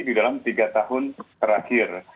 di dalam tiga tahun terakhir